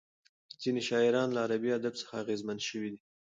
ځینې شاعران له عربي ادب څخه اغېزمن شوي دي.